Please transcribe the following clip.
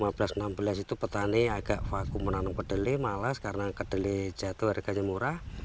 maka ketika di tahun dua ribu lima belas dua ribu enam belas itu petani agak vakum menanam kedelai malas karena kedelai jatuh harganya murah